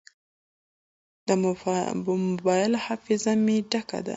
د موبایل حافظه مې ډکه ده.